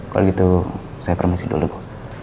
kalau gitu saya permasi dulu bu